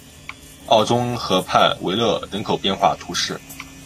奥宗河畔维勒人口变化图示